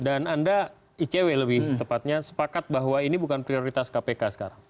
dan anda icw lebih tepatnya sepakat bahwa ini bukan prioritas kpk sekarang